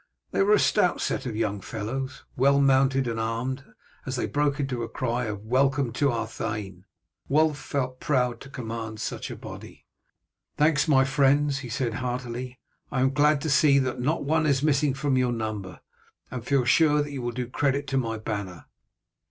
They were a stout set of young fellows, well mounted and armed, and as they broke into a cry of "Welcome to our thane," Wulf felt proud to command such a body. "Thanks, my friends," he said heartily. "I am glad to see that not one is missing from your number, and feel sure that you will do credit to my banner."